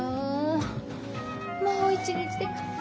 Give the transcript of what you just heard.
もう一日でくったくた。